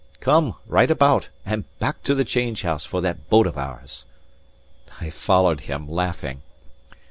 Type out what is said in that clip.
Come; right about, and back to the change house for that boat of ours." I followed him, laughing.